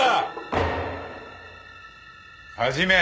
始め。